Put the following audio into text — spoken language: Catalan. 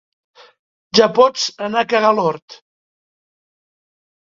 Ja pots anar a cagar a l'hort!